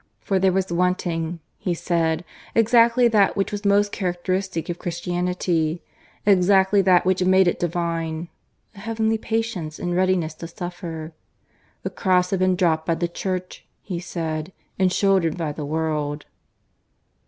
For there was wanting, he said, exactly that which was most characteristic of Christianity, exactly that which made it divine a heavenly patience and readiness to suffer. The cross had been dropped by the Church, he said, and shouldered by the world.